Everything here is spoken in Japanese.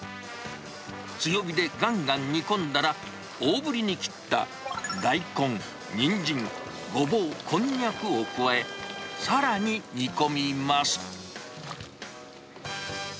強火でがんがん煮込んだら、大ぶりに切った大根、ニンジン、ゴボウ、こんにゃくを加え、さらに煮込みます。